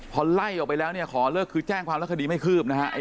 พอไล่ออกไปแล้วขอเลิกคือแจ้งความรักษณีย์ไม่คืบนะฮะ